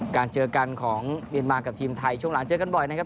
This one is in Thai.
เจอกันของเมียนมากับทีมไทยช่วงหลังเจอกันบ่อยนะครับ